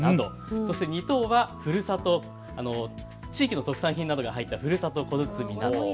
そして２等は地域の特産品などが入ったふるさと小包など。